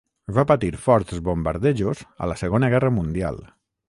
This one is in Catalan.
Va patir forts bombardejos a la segona guerra mundial.